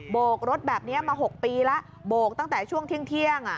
โกกรถแบบนี้มา๖ปีแล้วโบกตั้งแต่ช่วงเที่ยง